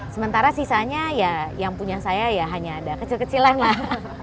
sementara sisanya ya yang punya saya ya hanya ada kecil kecilan lah